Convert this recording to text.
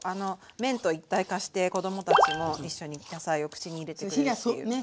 麺と一体化して子供たちも一緒に野菜を口に入れてくれるっていう。